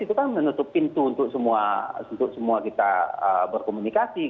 itu kan menutup pintu untuk semua kita berkomunikasi